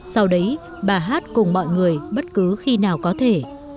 sau đấy bà hát cùng mọi người bất cứ khi nào có thể